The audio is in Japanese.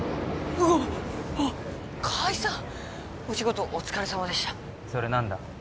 うわっあっ海さんお仕事お疲れさまでしたそれ何だ？